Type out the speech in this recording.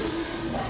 kau bul learners